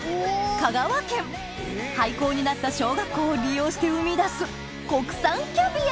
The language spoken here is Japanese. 香川県廃校になった小学校を利用して生み出す国産キャビア